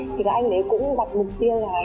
thì các anh ấy cũng gặp mục tiêu là